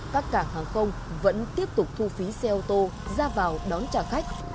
các cảng hàng không vẫn tiếp tục thu phí xe ô tô ra vào đón trả khách